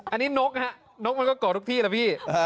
อันนี้นกฮะนกมันก็ก่อทุกที่นะพี่